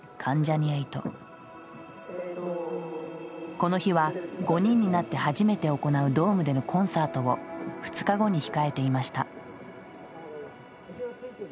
この日は５人になって初めて行うドームでのコンサートを２日後に控えていました。